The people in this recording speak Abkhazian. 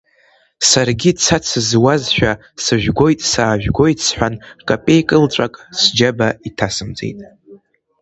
Саргьы цац зуазшәа, сыжәгоит, саажәгоит сҳәан, капеи кылҵәак сџьаба иҭасымҵеит.